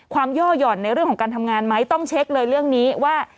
ย่อหย่อนในเรื่องของการทำงานไหมต้องเช็คเลยเรื่องนี้ว่า